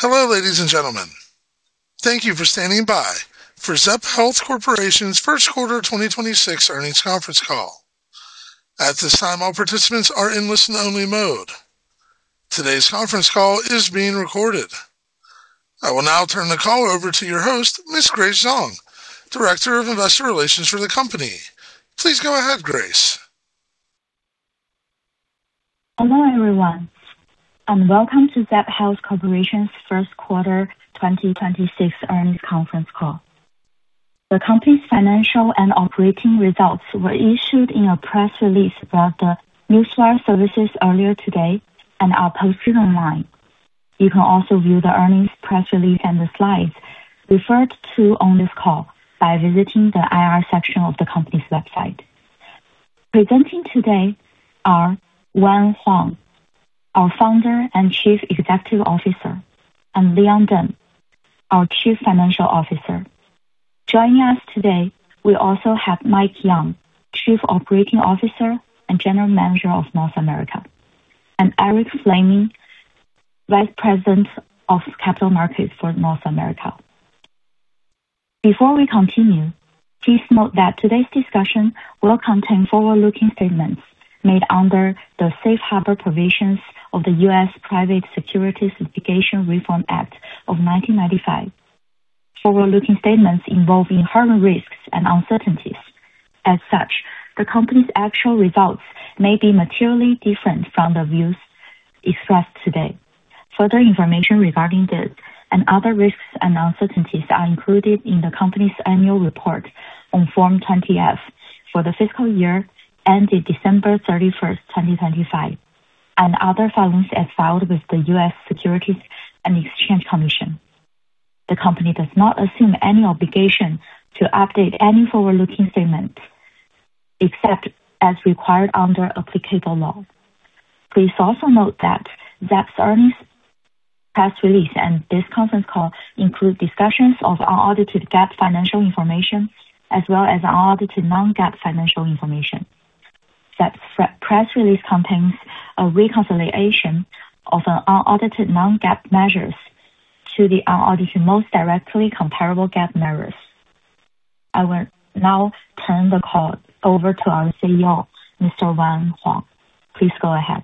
Hello, ladies and gentlemen. Thank you for standing by for Zepp Health Corporation's first quarter 2026 earnings conference call. At this time, all participants are in listen only mode. Today's conference call is being recorded. I will now turn the call over to your host, Ms. Grace Zhang, Director of Investor Relations for the company. Please go ahead, Grace. Hello, everyone, welcome to Zepp Health Corporation's first quarter 2026 earnings conference call. The company's financial and operating results were issued in a press release about the Newswire services earlier today and are posted online. You can also view the earnings press release and the slides referred to on this call by visiting the IR section of the company's website. Presenting today are Wang Huang, our Founder and Chief Executive Officer, and Leon Deng, our Chief Financial Officer. Joining us today, we also have Mike Yeung, Chief Operating Officer and General Manager of North America, and Eric Laming, Vice President of Capital Markets for North America. Before we continue, please note that today's discussion will contain forward-looking statements made under the Safe Harbor provisions of the U.S. Private Securities Litigation Reform Act of 1995. Forward-looking statements involve inherent risks and uncertainties. As such, the company's actual results may be materially different from the views expressed today. Further information regarding this and other risks and uncertainties are included in the company's annual report on Form 20-F for the fiscal year ended December 31st, 2025, and other filings as filed with the U.S. Securities and Exchange Commission. The company does not assume any obligation to update any forward-looking statements except as required under applicable law. Please also note that Zepp's earnings press release and this conference call include discussions of unaudited GAAP financial information as well as unaudited non-GAAP financial information. Zepp's press release contains a reconciliation of our unaudited non-GAAP measures to the unaudited most directly comparable GAAP measures. I will now turn the call over to our CEO, Mr. Wang Huang. Please go ahead.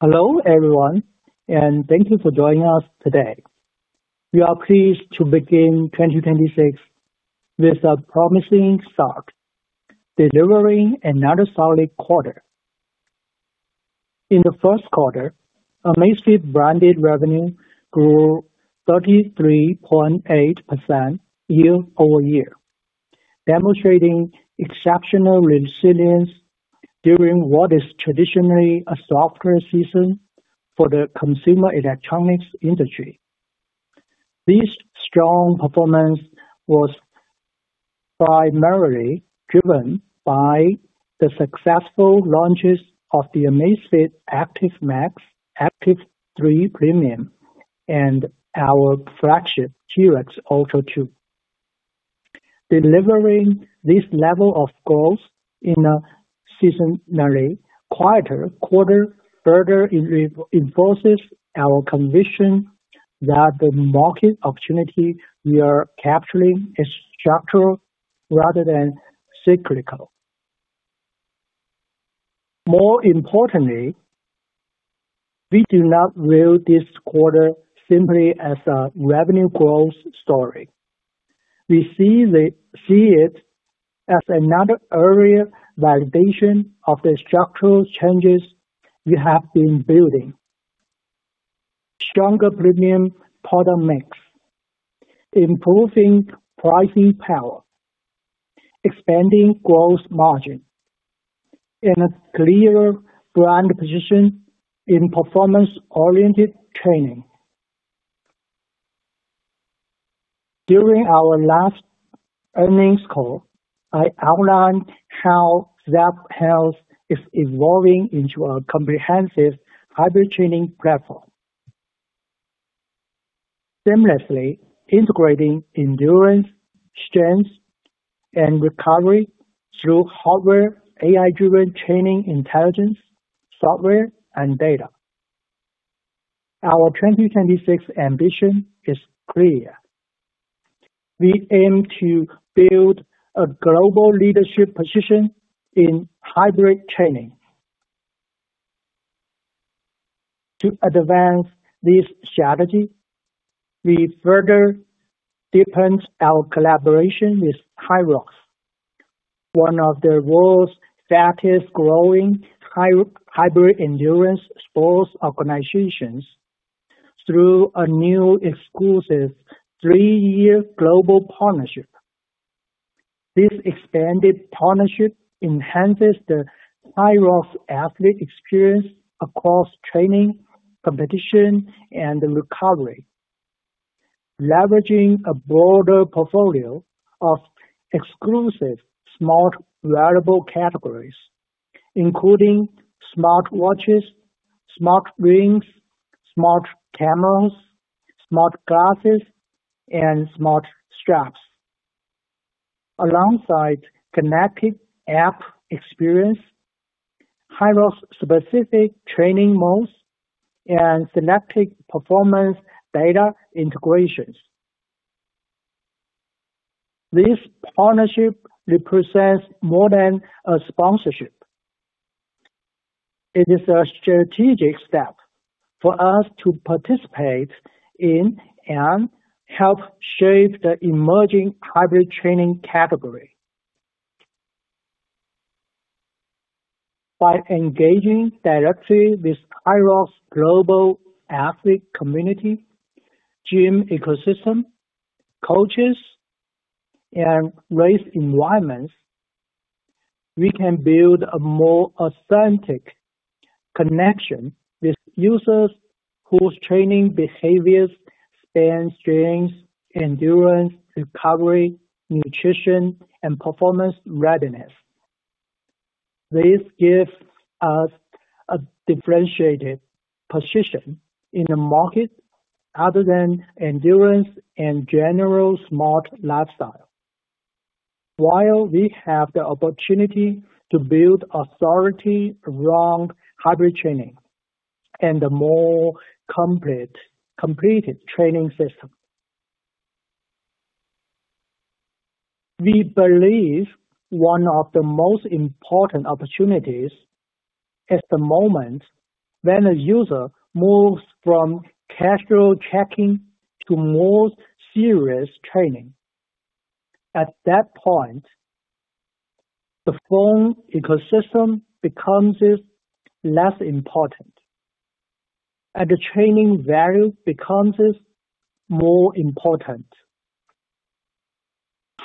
Hello, everyone, thank you for joining us today. We are pleased to begin 2026 with a promising start, delivering another solid quarter. In the first quarter, Amazfit branded revenue grew 33.8% year-over-year, demonstrating exceptional resilience during what is traditionally a softer season for the consumer electronics industry. This strong performance was primarily driven by the successful launches of the Amazfit Active Max, Active 3 Premium, and our flagship, GTR X Ultra 2. Delivering this level of growth in a seasonally quieter quarter further reinforces our conviction that the market opportunity we are capturing is structural rather than cyclical. More importantly, we do not view this quarter simply as a revenue growth story. We see it as another early validation of the structural changes we have been building. Stronger premium product mix, improving pricing power, expanding growth margin, and a clear brand position in performance-oriented training. During our last earnings call, I outlined how Zepp Health is evolving into a comprehensive hybrid training platform, seamlessly integrating endurance, strength, and recovery through hardware, AI-driven training intelligence, software, and data. Our 2026 ambition is clear. We aim to build a global leadership position in hybrid training. To advance this strategy, we further deepened our collaboration with HYROX, one of the world's fastest-growing hybrid endurance sports organizations, through a new exclusive three-year global partnership. This expanded partnership enhances the HYROX athlete experience across training, competition, and recovery, leveraging a broader portfolio of exclusive smart wearable categories, including smartwatches, smart rings, smart cameras, smart glasses, and smart straps. Alongside connected app experience, HYROX-specific training modes, and connected performance data integrations. This partnership represents more than a sponsorship. It is a strategic step for us to participate in and help shape the emerging hybrid training category. By engaging directly with HYROX global athlete community, gym ecosystem, coaches, and race environments, we can build a more authentic connection with users whose training behaviors span strength, endurance, recovery, nutrition, and performance readiness. This gives us a differentiated position in the market other than endurance and general smart lifestyle, while we have the opportunity to build authority around hybrid training and a more complete training system. We believe one of the most important opportunities is the moment when a user moves from casual tracking to more serious training. At that point, the phone ecosystem becomes less important, and the training value becomes more important.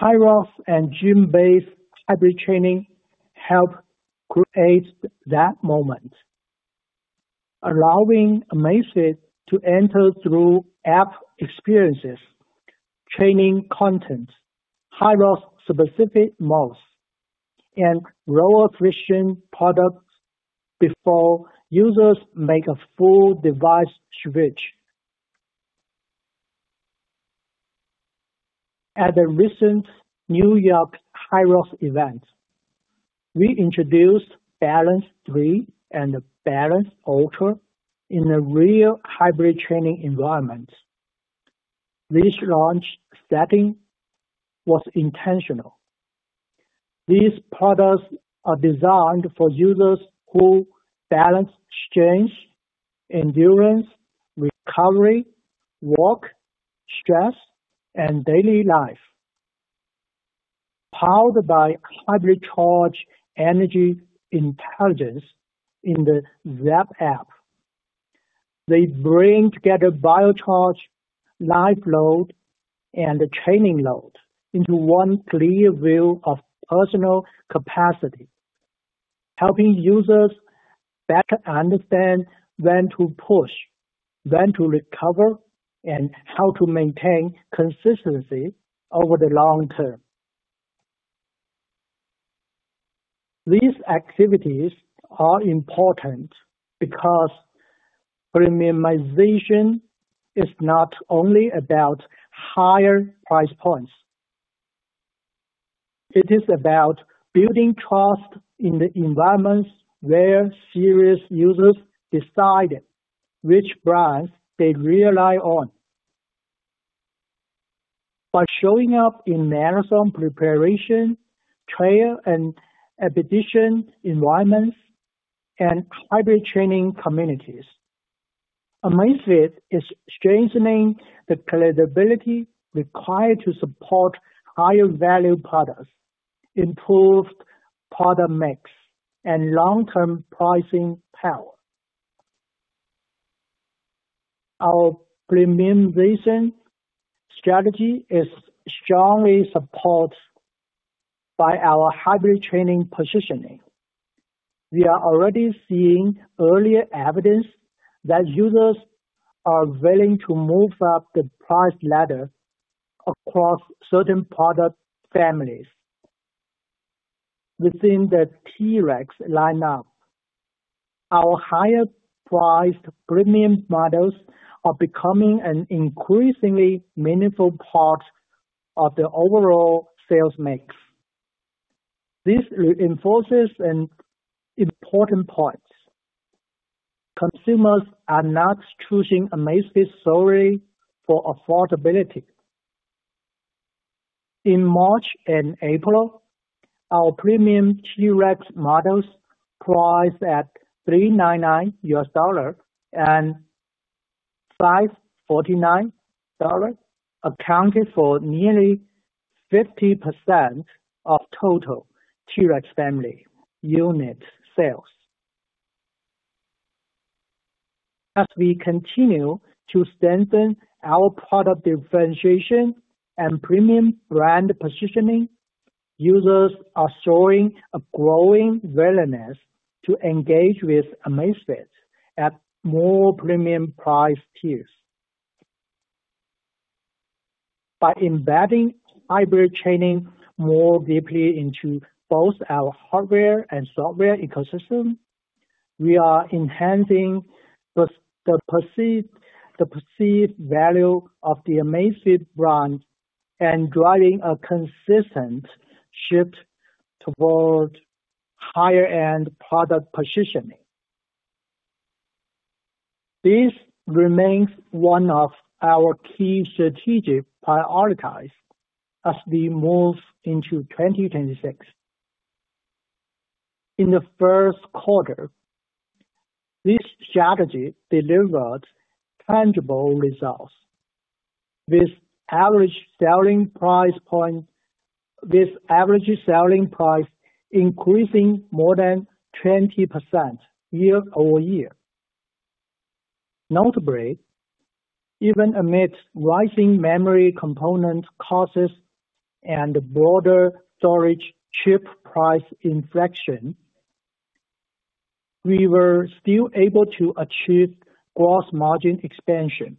HYROX and gym-based hybrid training help create that moment, allowing Amazfit to enter through app experiences, training content, HYROX-specific modes, and lower-friction products before users make a full device switch. At the recent New York HYROX event, we introduced Balance 3 and Balance Ultra in a real hybrid training environment. This launch setting was intentional. These products are designed for users who balance strength, endurance, recovery, work, stress, and daily life. Powered by Hybrid Charge Energy Intelligence in the Zepp App, they bring together Bio Charge, life load, and training load into one clear view of personal capacity, helping users better understand when to push, when to recover, and how to maintain consistency over the long term. These activities are important because premiumization is not only about higher price points. It is about building trust in the environments where serious users decide which brands they rely on. By showing up in marathon preparation, trail and expedition environments, and hybrid training communities, Amazfit is strengthening the credibility required to support higher-value products, improved product mix, and long-term pricing power. Our premiumization strategy is strongly supported by our hybrid training positioning. We are already seeing early evidence that users are willing to move up the price ladder across certain product families. Within the T-Rex lineup, our higher-priced premium models are becoming an increasingly meaningful part of the overall sales mix. This reinforces an important point. Consumers are not choosing Amazfit solely for affordability. In March and April, our premium T-Rex models, priced at $399 and $549, accounted for nearly 50% of total T-Rex family unit sales. As we continue to strengthen our product differentiation and premium brand positioning, users are showing a growing willingness to engage with Amazfit at more premium price tiers. By embedding hybrid training more deeply into both our hardware and software ecosystem. We are enhancing the perceived value of the Amazfit brand and driving a consistent shift towards higher-end product positioning. This remains one of our key strategic priorities as we move into 2026. In the first quarter, this strategy delivered tangible results. This average selling price increasing more than 20% year-over-year. Notably, even amid rising memory component costs and broader storage chip price inflection, we were still able to achieve gross margin expansion,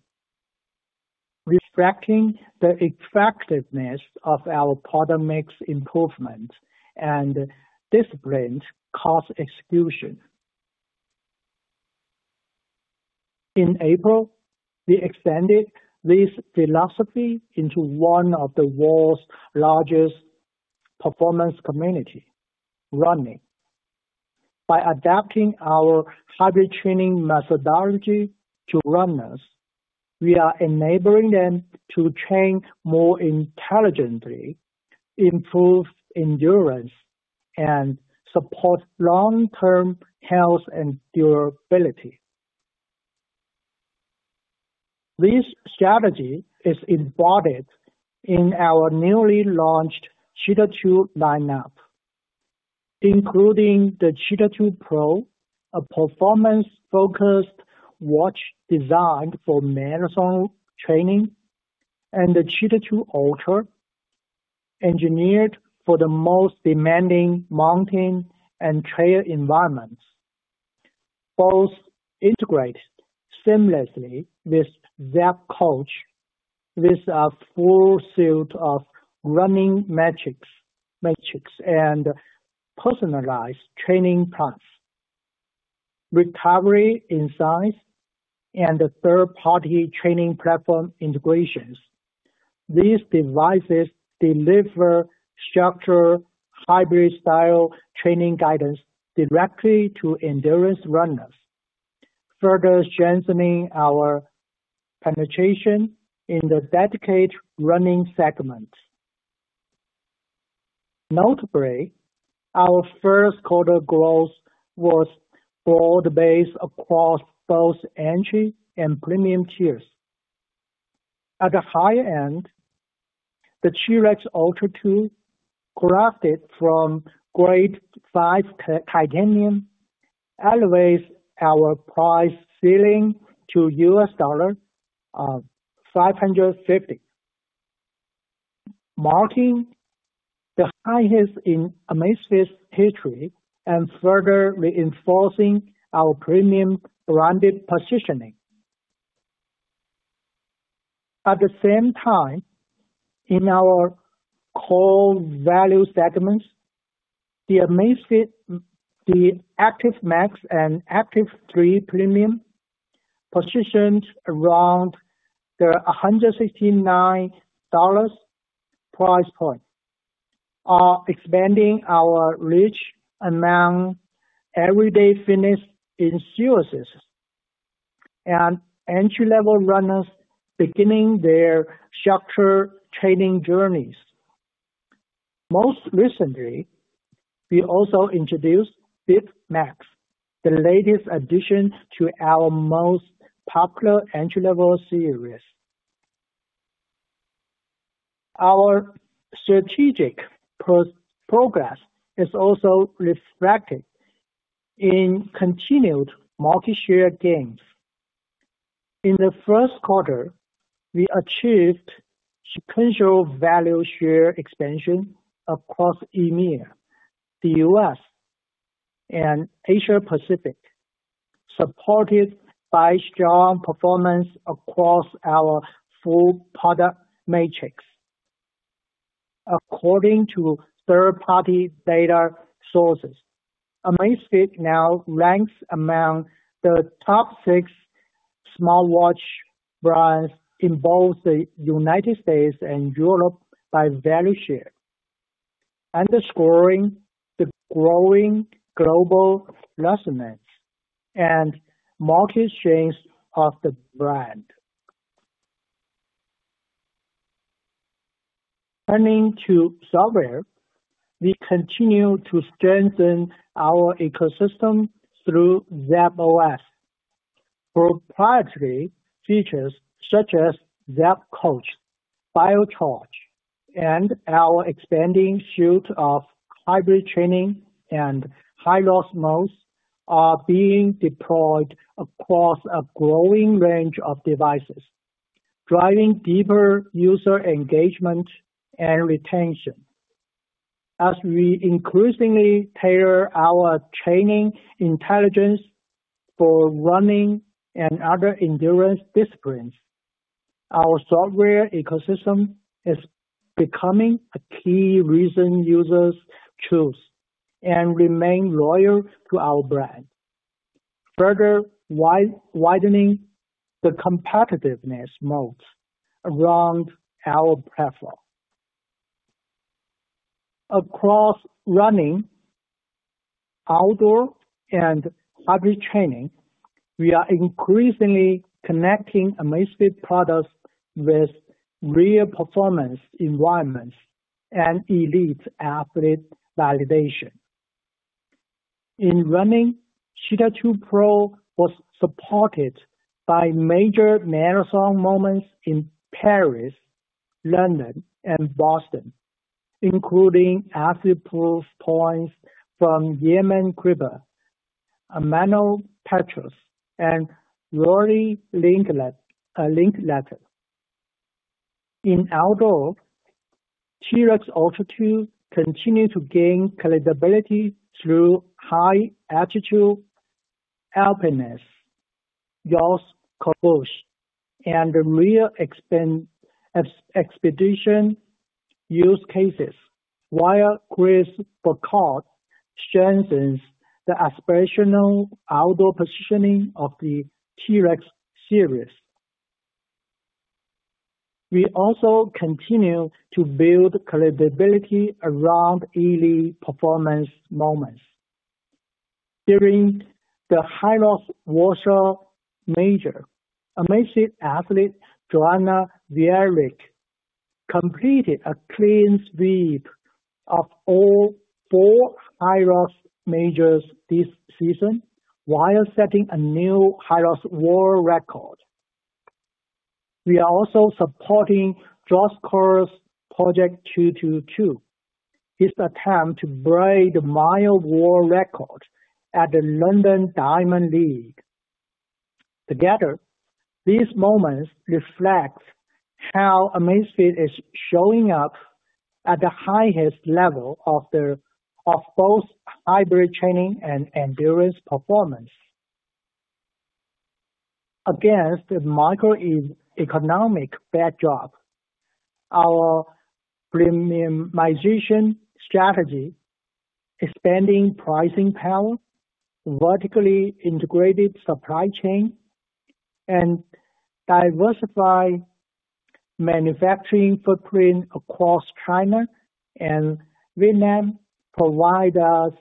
reflecting the effectiveness of our product mix improvement and disciplined cost execution. In April, we expanded this philosophy into one of the world's largest performance community, running. By adapting our hybrid training methodology to runners, we are enabling them to train more intelligently, improve endurance, and support long-term health and durability. This strategy is embodied in our newly launched Cheetah 2 lineup, including the Cheetah 2 Pro, a performance-focused watch designed for marathon training, and the Cheetah 2 Ultra, engineered for the most demanding mountain and trail environments. Both integrate seamlessly with Zepp Coach with a full suite of running metrics and personalized training plans, recovery insights, and third-party training platform integrations. These devices deliver structured hybrid-style training guidance directly to endurance runners, further strengthening our penetration in the dedicated running segment. Notably, our first quarter growth was broad-based across both entry and premium tiers. At the high end, the T-Rex Ultra 2, crafted from grade 5 titanium, elevates our price ceiling to $550, marking the highest in Amazfit's history and further reinforcing our premium branded positioning. At the same time, in our core value segments, the Active Max and Active 3 Premium, positioned around the $169 price point, are expanding our reach among everyday fitness enthusiasts and entry-level runners beginning their structured training journeys. Most recently, we also introduced Bip Max, the latest addition to our most popular entry-level series. Our strategic progress is also reflected in continued market share gains. In the first quarter, we achieved sequential value share expansion across EMEA, the U.S., and Asia-Pacific, supported by strong performance across our full product matrix. According to third-party data sources, Amazfit now ranks among the top six smartwatch brands in both the United States and Europe by value share, underscoring the growing global resonance and market strength of the brand. Turning to software, we continue to strengthen our ecosystem through Zepp OS. Proprietary features such as Zepp Coach, Bio Torch, and our expanding suite of hybrid training and high-loss modes are being deployed across a growing range of devices, driving deeper user engagement and retention. As we increasingly tailor our training intelligence for running and other endurance disciplines. Our software ecosystem is becoming a key reason users choose and remain loyal to our brand, further widening the competitiveness moat around our platform. Across running, outdoor, and hybrid training, we are increasingly connecting Amazfit products with real performance environments and elite athlete validation. In running, Cheetah 2 Pro was supported by major marathon moments in Paris, London, and Boston, including valid proof points from Yeman Crippa, Manuel Petrus, and Rory Linkletter. In outdoor, T-Rex Ultra 2 continue to gain credibility through high altitude alpinists, Jost Kobusch, and real expedition use cases, while Chris Foucault strengthens the aspirational outdoor positioning of the T-Rex series. We also continue to build credibility around elite performance moments. During the HYROX Warsaw Major, Amazfit athlete Johanna Wierick completed a clean sweep of all four HYROX Majors this season while setting a new HYROX world record. We are also supporting Josh Kerr's Project 222, his attempt to break the mile world record at the London Diamond League. Together, these moments reflect how Amazfit is showing up at the highest level of both hybrid training and endurance performance. Against the macroeconomic backdrop, our premiumization strategy, expanding pricing power, vertically integrated supply chain, and diversified manufacturing footprint across China and Vietnam provide us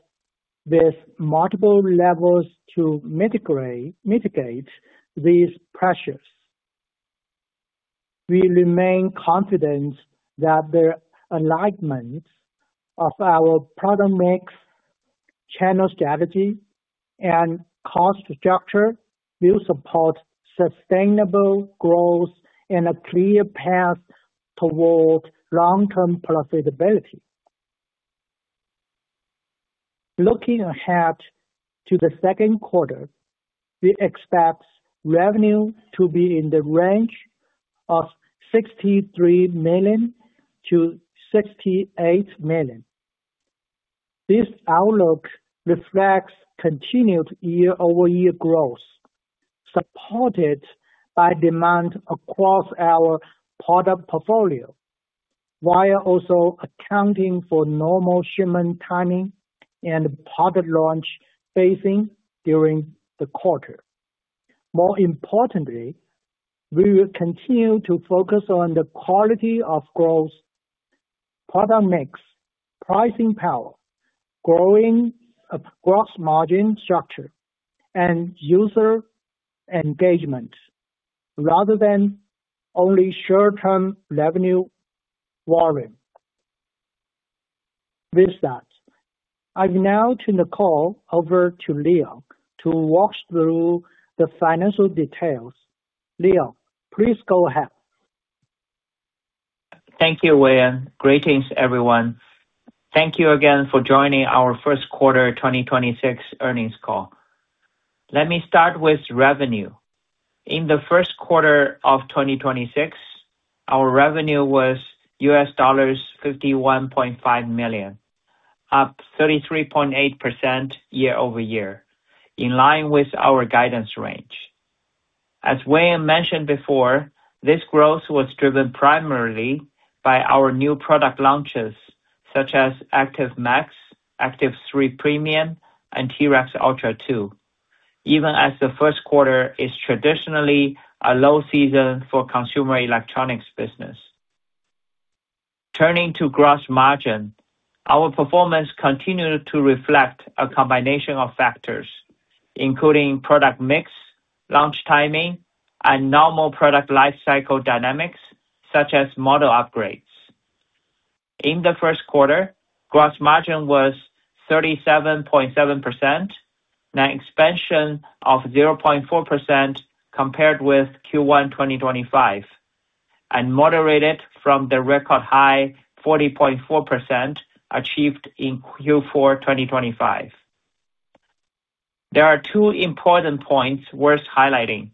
with multiple levers to mitigate these pressures. We remain confident that the alignment of our product mix, channel strategy, and cost structure will support sustainable growth and a clear path towards long-term profitability. Looking ahead to the second quarter, we expect revenue to be in the range of $63 to 68 million. This outlook reflects continued year-over-year growth, supported by demand across our product portfolio, while also accounting for normal shipment timing and product launch phasing during the quarter. More importantly, we will continue to focus on the quality of growth, product mix, pricing power, growing gross margin structure, and user engagement, rather than only short-term revenue warring. With that, I now turn the call over to Leo to walk through the financial details. Leo, please go ahead. Thank you, Huang. Greetings, everyone. Thank you again for joining our first quarter 2026 earnings call. Let me start with revenue. In the first quarter of 2026, our revenue was $51.5 million, up 33.8% year-over-year, in line with our guidance range. As Huang mentioned before, this growth was driven primarily by our new product launches, such as Amazfit Active Max, Active 3 Premium, and T-Rex Ultra 2, even as the first quarter is traditionally a low season for consumer electronics business. Turning to gross margin, our performance continued to reflect a combination of factors, including product mix, launch timing, and normal product lifecycle dynamics, such as model upgrades. In the first quarter, gross margin was 37.7%, an expansion of 0.4% compared with Q1 2025, and moderated from the record high 40.4% achieved in Q4 2025. There are two important points worth highlighting.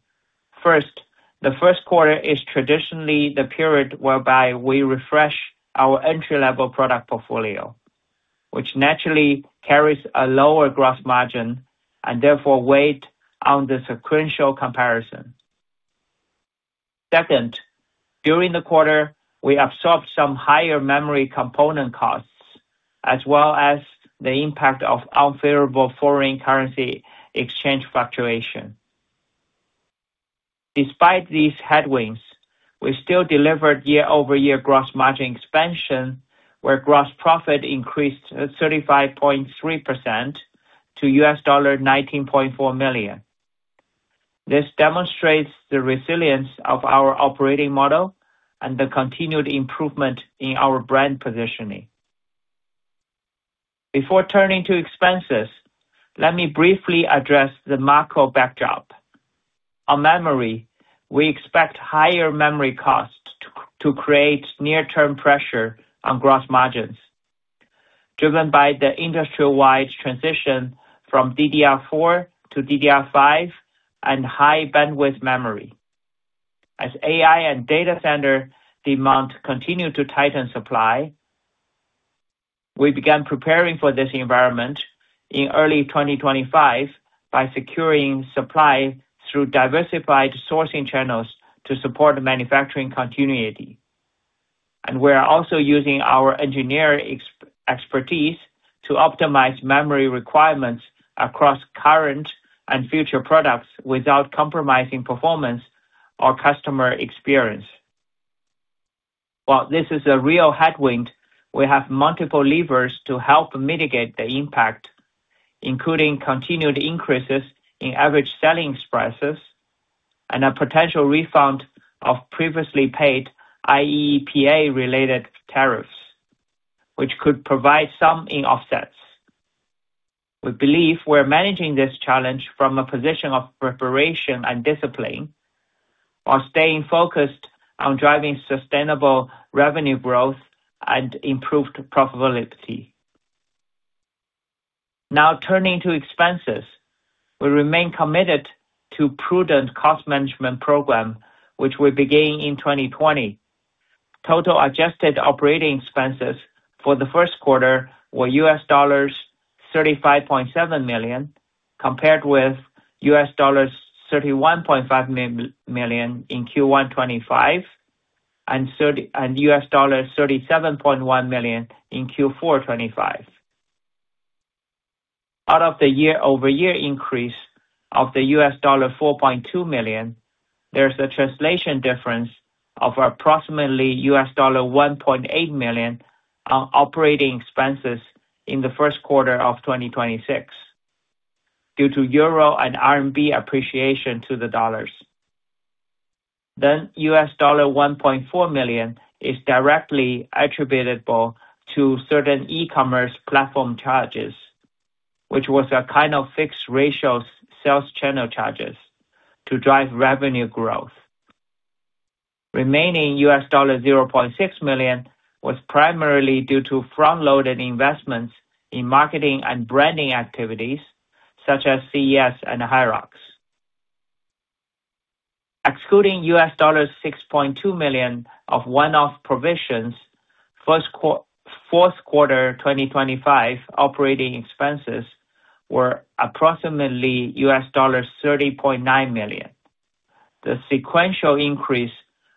The first quarter is traditionally the period whereby we refresh our entry-level product portfolio. It naturally carries a lower gross margin, and therefore weighed on the sequential comparison. Second, during the quarter, we absorbed some higher memory component costs, as well as the impact of unfavorable foreign currency exchange fluctuation. Despite these headwinds, we still delivered year-over-year gross margin expansion, where gross profit increased 35.3% to $19.4 million. This demonstrates the resilience of our operating model and the continued improvement in our brand positioning. Before turning to expenses, let me briefly address the macro backdrop. On memory, we expect higher memory costs to create near-term pressure on gross margins, driven by the industry-wide transition from DDR4 to DDR5 and High Bandwidth Memory. As AI and data center demand continue to tighten supply, we began preparing for this environment in early 2025 by securing supply through diversified sourcing channels to support manufacturing continuity. We are also using our engineering expertise to optimize memory requirements across current and future products without compromising performance or customer experience. While this is a real headwind, we have multiple levers to help mitigate the impact, including continued increases in average selling prices and a potential refund of previously paid IEEPA-related tariffs, which could provide some in offsets. We believe we're managing this challenge from a position of preparation and discipline, while staying focused on driving sustainable revenue growth and improved profitability. Turning to expenses. We remain committed to prudent cost management program, which we began in 2020. Total adjusted operating expenses for the first quarter were $35.7 million, compared with $31.5 million in Q1 2025 and $37.1 million in Q4 2025. Out of the year-over-year increase of the $4.2 million, there's a translation difference of approximately $1.8 million on operating expenses in the first quarter of 2026 due to EUR and RMB appreciation to the dollars. $1.4 million is directly attributable to certain e-commerce platform charges, which was a kind of fixed ratio sales channel charges to drive revenue growth. Remaining $0.6 million was primarily due to front-loaded investments in marketing and branding activities such as CES and HYROX. Excluding $6.2 million of one-off provisions, fourth quarter 2025 operating expenses were approximately $30.9 million. The sequential increase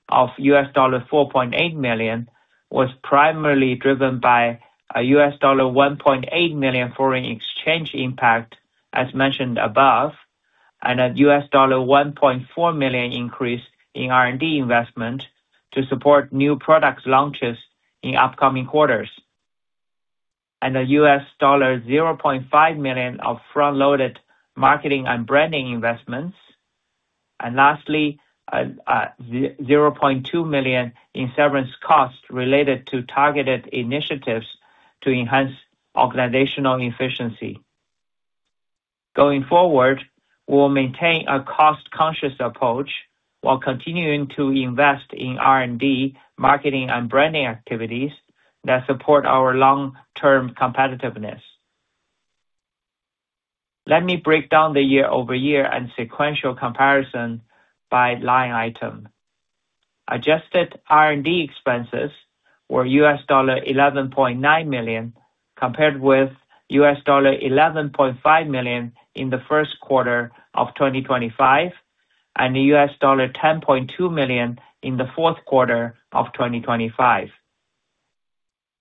of $4.8 million was primarily driven by a $1.8 million foreign exchange impact, as mentioned above, a $1.4 million increase in R&D investment to support new products launches in upcoming quarters. A $0.5 million of front-loaded marketing and branding investments. Lastly, $0.2 million in severance costs related to targeted initiatives to enhance organizational efficiency. Going forward, we'll maintain a cost-conscious approach while continuing to invest in R&D, marketing, and branding activities that support our long-term competitiveness. Let me break down the year-over-year and sequential comparison by line item. Adjusted R&D expenses were $11.9 million, compared with $11.5 million in the first quarter of 2025, and $10.2 million in the fourth quarter of 2025.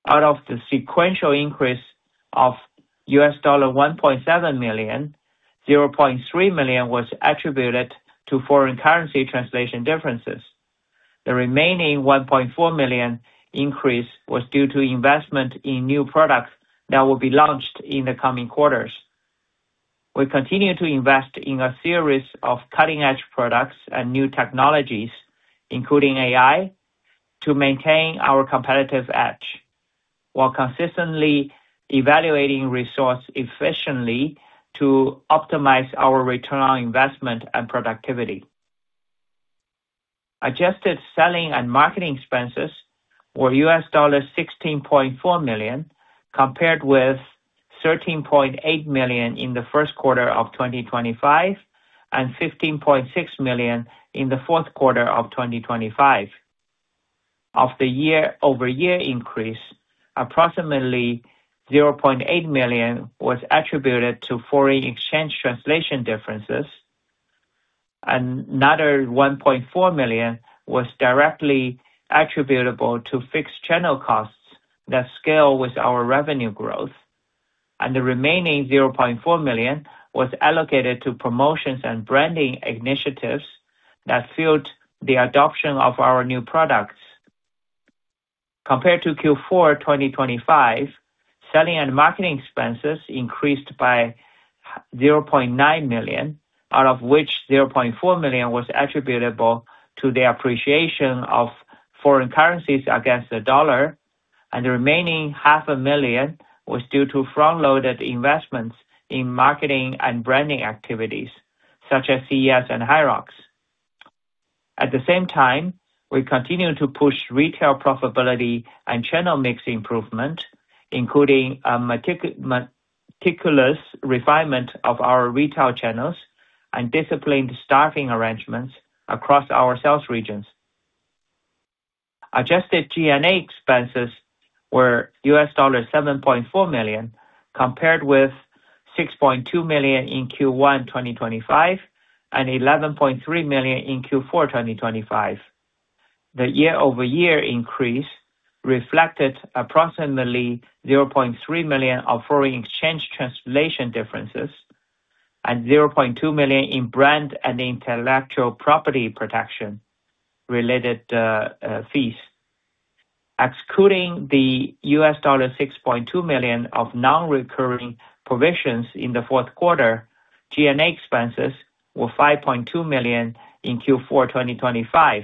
Out of the sequential increase of $1.7 million, $0.3 million was attributed to foreign currency translation differences. The remaining $1.4 million increase was due to investment in new products that will be launched in the coming quarters. We continue to invest in a series of cutting-edge products and new technologies, including AI, to maintain our competitive edge, while consistently evaluating resource efficiently to optimize our return on investment and productivity. Adjusted selling and marketing expenses were $16.4 million compared with $13.8 million in the first quarter of 2025, and $15.6 million in the fourth quarter of 2025. Of the year-over-year increase, approximately $0.8 million was attributed to foreign exchange translation differences. Another $1.4 million was directly attributable to fixed channel costs that scale with our revenue growth. The remaining $0.4 million was allocated to promotions and branding initiatives that fueled the adoption of our new products. Compared to Q4 2025, selling and marketing expenses increased by $0.9 million, out of which $0.4 million was attributable to the appreciation of foreign currencies against the dollar, and the remaining half a million was due to front-loaded investments in marketing and branding activities such as CES and HYROX. At the same time, we continued to push retail profitability and channel mix improvement, including a meticulous refinement of our retail channels and disciplined staffing arrangements across our sales regions. Adjusted G&A expenses were $7.4 million, compared with $6.2 million in Q1 2025 and $11.3 million in Q4 2025. The year-over-year increase reflected approximately $0.3 million of foreign exchange translation differences and $0.2 million in brand and intellectual property protection related fees. Excluding the $6.2 million of non-recurring provisions in the fourth quarter, G&A expenses were $5.2 million in Q4 2025.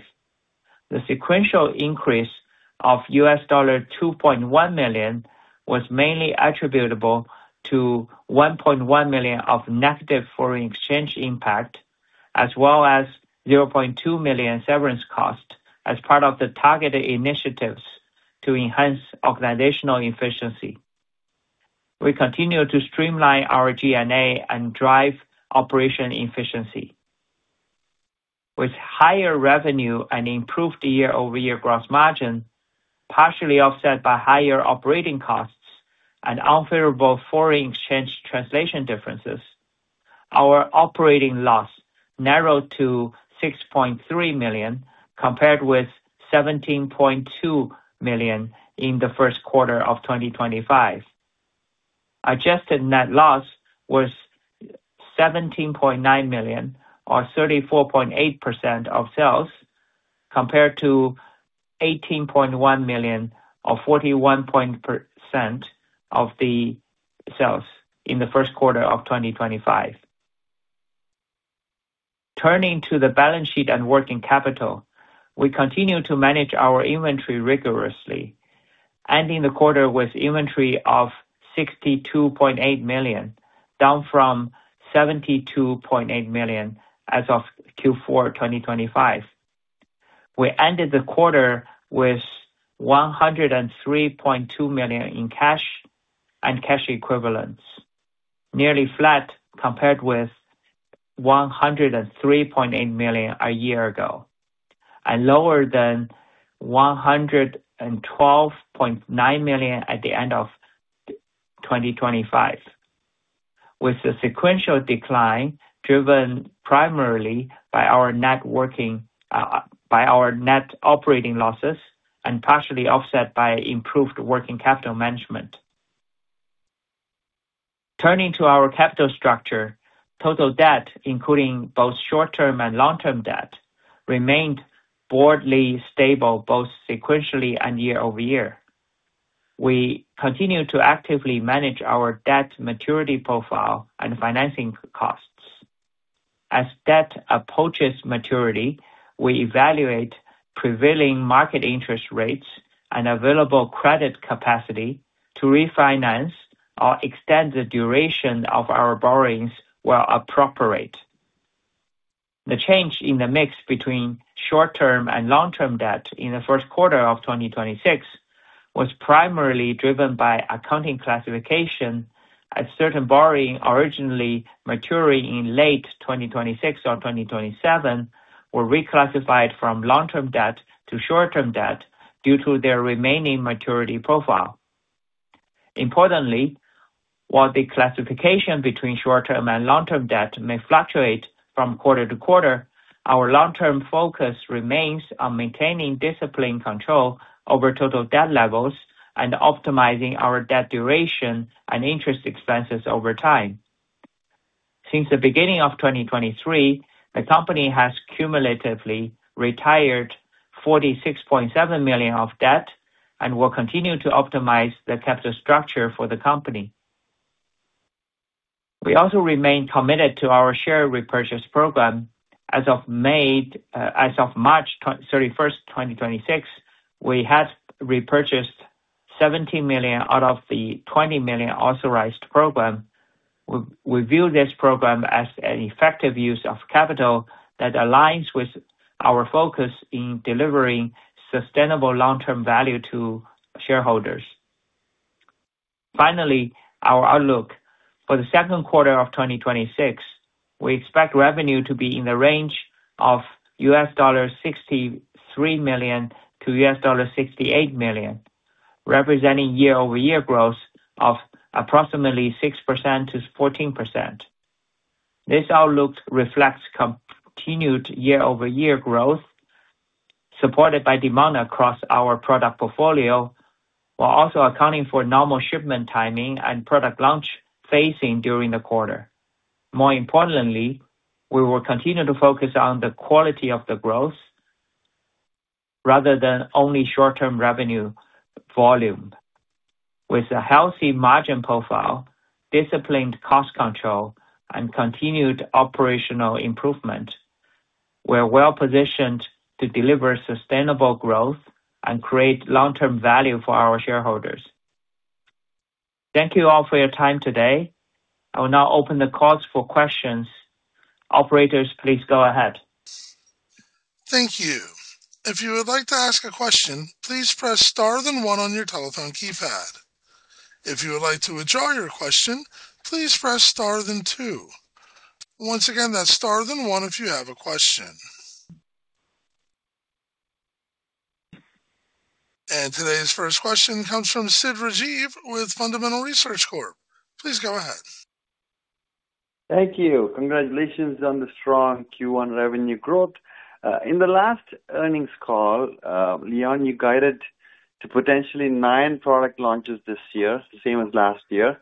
The sequential increase of $2.1 million was mainly attributable to $1.1 million of negative foreign exchange impact, as well as $0.2 million severance cost as part of the targeted initiatives to enhance organizational efficiency. We continue to streamline our G&A and drive operation efficiency. With higher revenue and improved year-over-year gross margin, partially offset by higher operating costs and unfavorable foreign exchange translation differences, our operating loss narrowed to $6.3 million, compared with $17.2 million in the first quarter of 2025. Adjusted net loss was $17.9 million or 34.8% of sales, compared to $18.1 million or 41% of the sales in the first quarter of 2025. Turning to the balance sheet and working capital, we continue to manage our inventory rigorously, ending the quarter with inventory of $62.8 million, down from $72.8 million as of Q4 2025. We ended the quarter with $103.2 million in cash and cash equivalents, nearly flat compared with $103.8 million a year ago, and lower than $112.9 million at the end of 2025, with the sequential decline driven primarily by our net operating losses and partially offset by improved working capital management. Turning to our capital structure, total debt, including both short-term and long-term debt, remained broadly stable both sequentially and year-over-year. We continue to actively manage our debt maturity profile and financing costs. As debt approaches maturity, we evaluate prevailing market interest rates and available credit capacity to refinance or extend the duration of our borrowings where appropriate. The change in the mix between short-term and long-term debt in the first quarter of 2026 was primarily driven by accounting classification as certain borrowing originally maturing in late 2026 or 2027 were reclassified from long-term debt to short-term debt due to their remaining maturity profile. Importantly, while the classification between short-term and long-term debt may fluctuate from quarter to quarter, our long-term focus remains on maintaining disciplined control over total debt levels and optimizing our debt duration and interest expenses over time. Since the beginning of 2023, the company has cumulatively retired $46.7 million of debt and will continue to optimize the capital structure for the company. We also remain committed to our share repurchase program. As of March 31st, 2026, we had repurchased $17 million out of the $20 million authorized program. We view this program as an effective use of capital that aligns with our focus in delivering sustainable long-term value to shareholders. Our outlook for the second quarter of 2026, we expect revenue to be in the range of $63 to 68 million, representing year-over-year growth of approximately 6% to 14%. This outlook reflects continued year-over-year growth, supported by demand across our product portfolio, while also accounting for normal shipment timing and product launch phasing during the quarter. More importantly, we will continue to focus on the quality of the growth, rather than only short-term revenue volume. With a healthy margin profile, disciplined cost control, and continued operational improvement, we're well-positioned to deliver sustainable growth and create long-term value for our shareholders. Thank you all for your time today. I will now open the calls for questions. Operators, please go ahead. Thank you. If you would like to ask a question, please press star then one on your telephone keypad. If you would like to withdraw your question, please press star then two. Once again, that's star then one if you have a question. Today's first question comes from Siddharth Rajeev with Fundamental Research Corp. Please go ahead. Thank you. Congratulations on the strong Q1 revenue growth. In the last earnings call, Leon, you guided to potentially nine product launches this year, the same as last year,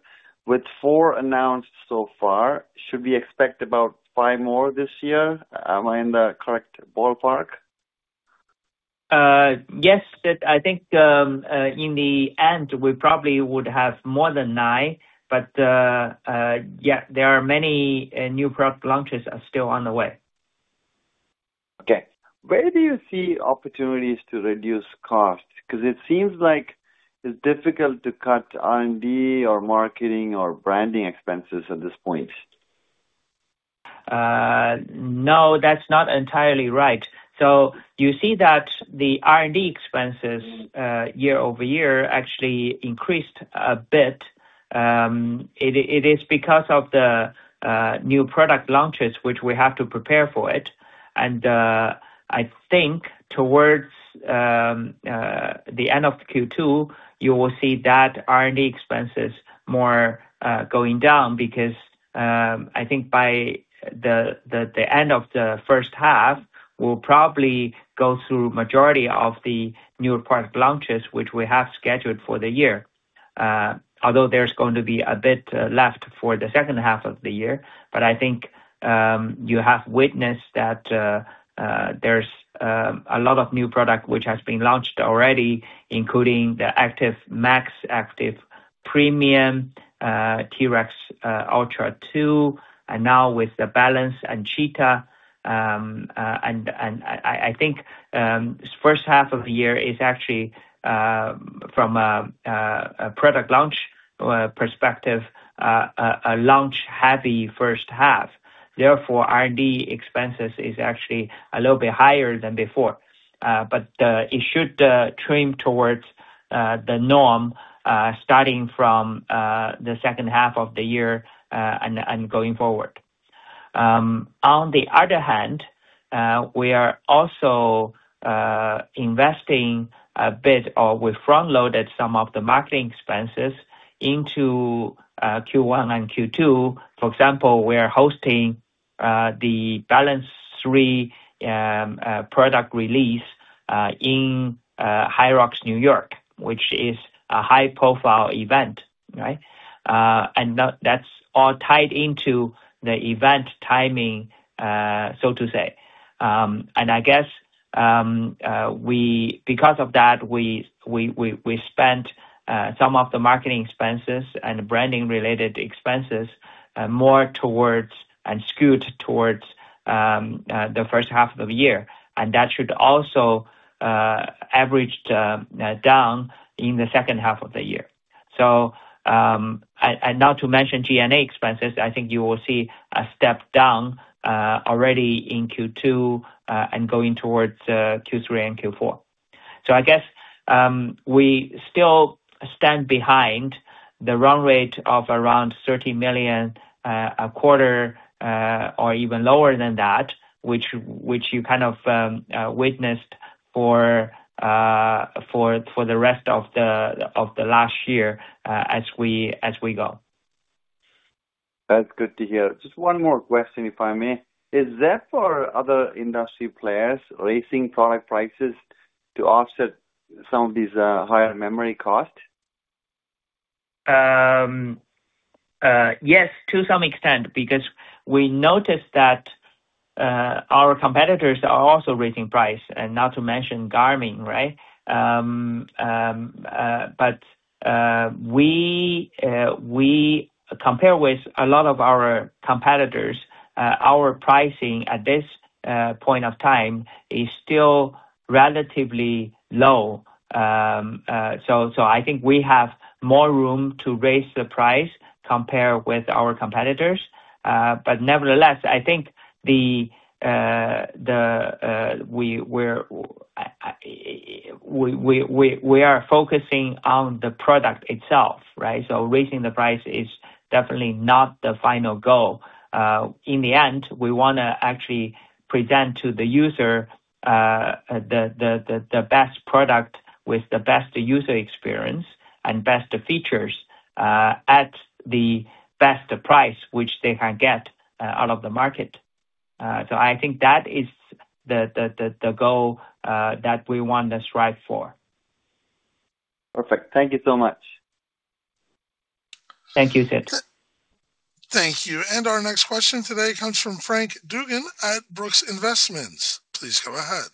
with four announced so far. Should we expect about five more this year? Am I in the correct ballpark? Yes, Sid. I think in the end, we probably would have more than nine. Yeah, there are many new product launches are still on the way. Okay. Where do you see opportunities to reduce costs? It seems like it's difficult to cut R&D or marketing or branding expenses at this point. No, that's not entirely right. You see that the R&D expenses year-over-year actually increased a bit. It is because of the new product launches, which we have to prepare for it. Towards the end of Q2, you will see that R&D expenses more going down, because I think by the end of the first half, we'll probably go through majority of the new product launches, which we have scheduled for the year. Although there's going to be a bit left for the second half of the year. I think, you have witnessed that there's a lot of new product which has been launched already, including the Active Max, Active Premium, T-Rex Ultra 2, and now with the Balance and Cheetah. I think, first half of the year is actually, from a product launch perspective, a launch heavy first half. Therefore, R&D expenses is actually a little bit higher than before. It should trim towards the norm starting from the second half of the year and going forward. On the other hand, we are also investing a bit or we front-loaded some of the marketing expenses into Q1 and Q2. For example, we are hosting the Balance 3 product release in HYROX, New York, which is a high-profile event. Right? That's all tied into the event timing, so to say. I guess, because of that, we spent some of the marketing expenses and branding-related expenses more towards and skewed towards the first half of the year. That should also averaged down in the second half of the year. Not to mention G&A expenses, I think you will see a step down already in Q2, and going towards Q3 and Q4. I guess, we still stand behind the run rate of around $30 million a quarter, or even lower than that, which you kind of witnessed for the rest of the last year as we go. That's good to hear. Just one more question, if I may. Is that for other industry players, raising product prices to offset some of these higher memory costs? Yes, to some extent, because we noticed that our competitors are also raising price, not to mention Garmin, right? We compare with a lot of our competitors, our pricing at this point of time is still relatively low. I think we have more room to raise the price compare with our competitors. Nevertheless, I think We are focusing on the product itself, right? Raising the price is definitely not the final goal. In the end, we want to actually present to the user the best product with the best user experience and best features, at the best price which they can get out of the market. I think that is the goal that we want to strive for. Perfect. Thank you so much. Thank you, Sid. Thank you. Our next question today comes from Frank Dugan at Brooks Investments. Please go ahead.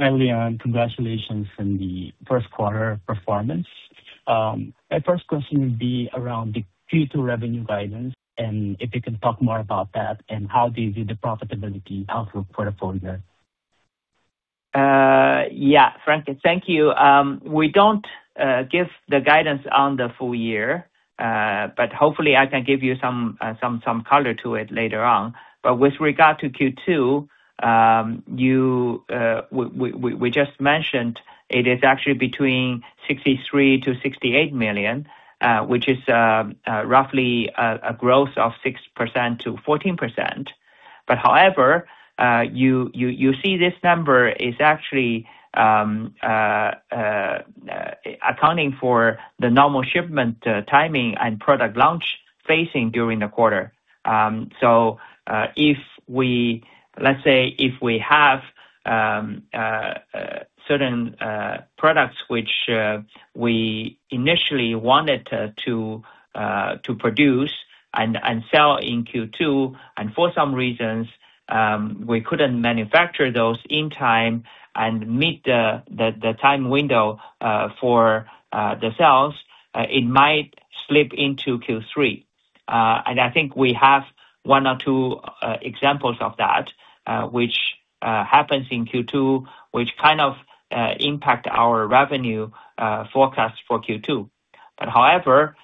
Hi, Leon. Congratulations on the first quarter performance. My first question would be around the Q2 revenue guidance, and if you can talk more about that, and how do you view the profitability outlook for the full year? Yeah. Frank, thank you. We don't give the guidance on the full year, but hopefully I can give you some color to it later on. With regard to Q2, we just mentioned it is actually between $63 to 68 million, which is roughly a growth of 6% to 14%. However, you see this number is actually accounting for the normal shipment timing and product launch phasing during the quarter. Let's say if we have certain products which we initially wanted to produce and sell in Q2, and for some reasons, we couldn't manufacture those in time and meet the time window for the sales, it might slip into Q3. I think we have one or two examples of that, which happens in Q2, which kind of impact our revenue forecast for Q2. However,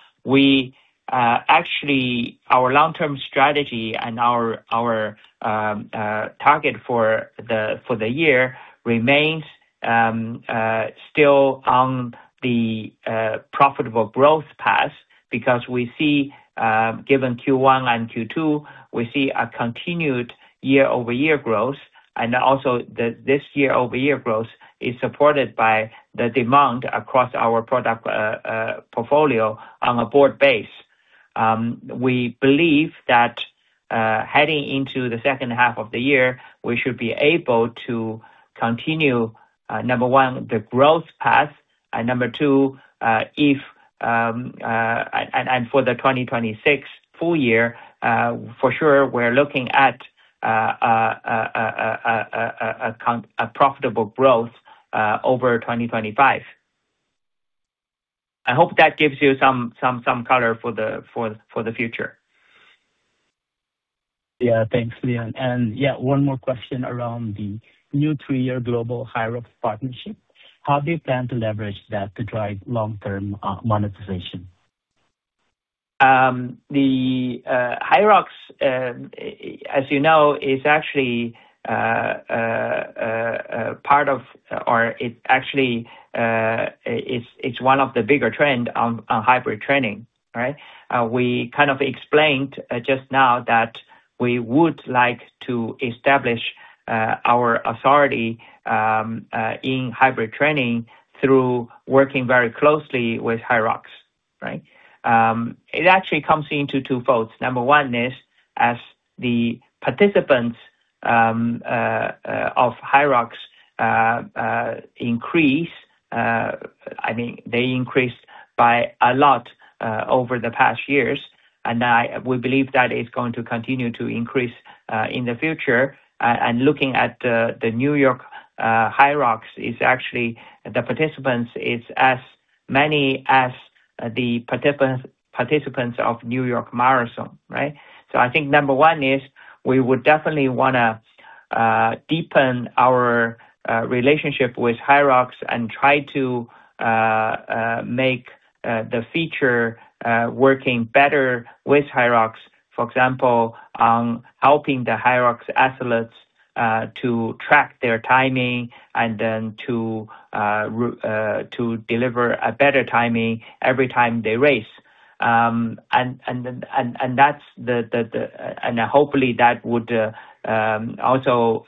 actually, our long-term strategy and our target for the year remains still on the profitable growth path because we see, given Q1 and Q2, we see a continued year-over-year growth, and also this year-over-year growth is supported by the demand across our product portfolio on a broad base. We believe that heading into the second half of the year, we should be able to continue, number one, the growth path, and number two, for the 2026 full year, for sure, we're looking at a profitable growth over 2025. I hope that gives you some color for the future. Thanks, Leon. One more question around the new three-year global HYROX partnership. How do you plan to leverage that to drive long-term monetization? HYROX, as you know, it's one of the bigger trend on hybrid training, right? We kind of explained just now that we would like to establish our authority in hybrid training through working very closely with HYROX, right? It actually comes into two folds. Number one is, as the participants of HYROX increase, I mean, they increased by a lot over the past years, we believe that it's going to continue to increase in the future. Looking at the New York HYROX, the participants is as many as the participants of New York Marathon, right? I think number one is we would definitely want to deepen our relationship with HYROX and try to make the feature working better with HYROX, for example, on helping the HYROX athletes to track their timing and then to deliver a better timing every time they race. Hopefully that would also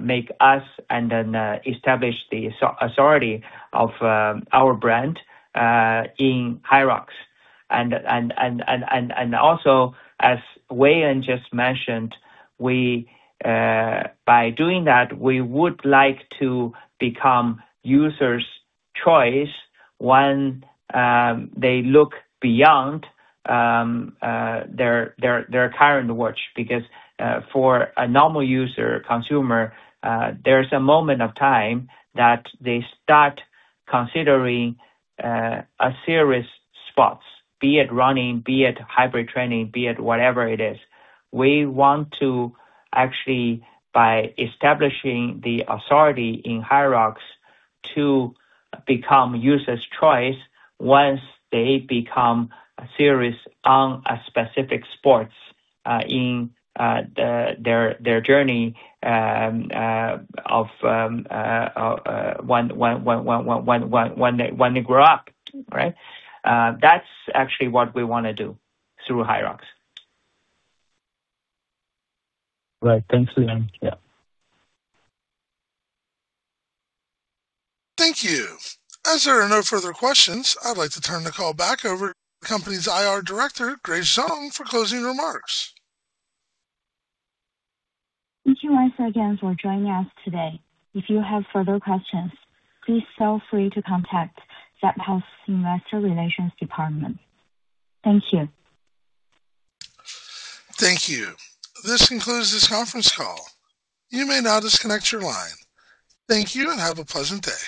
make us and then establish the authority of our brand in HYROX. Also, as Wang Huang just mentioned, by doing that, we would like to become users' choice when they look beyond their current watch, because for a normal user consumer, there is a moment of time that they start considering a serious sports, be it running, be it hybrid training, be it whatever it is. We want to actually, by establishing the authority in HYROX, to become users' choice once they become serious on a specific sports in their journey when they grow up, right? That's actually what we want to do through HYROX. Right. Thanks, Leon. Thank you. As there are no further questions, I'd like to turn the call back over to the company's IR director, Grace Zhang, for closing remarks. Thank you once again for joining us today. If you have further questions, please feel free to contact Zepp Health's Investor Relations Department. Thank you. Thank you. This concludes this conference call. You may now disconnect your line. Thank you, and have a pleasant day.